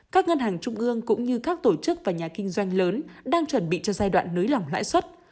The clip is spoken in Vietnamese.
các ngân hàng trung ương cũng như các tổ chức và nhà kinh doanh lớn đang chuẩn bị cho giai đoạn nới lỏng lãi suất